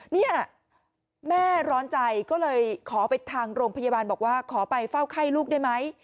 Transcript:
เนี่ยแม่ร้อนใจก็เลยขอไปทางโรงพยาบาลบอกว่าขอไปเฝ้าไข้ลูกได้ไหม